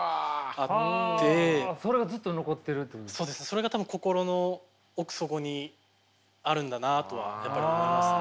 それが多分心の奥底にあるんだなとはやっぱり思いますね。